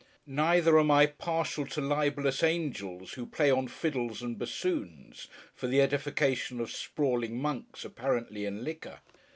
Neither am I partial to libellous Angels, who play on fiddles and bassoons, for the edification of sprawling monks apparently in liquor.